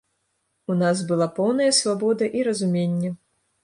У нас была поўная свабода і разуменне.